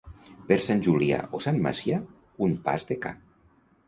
Per Sant Julià o Sant Macià, un pas de ca.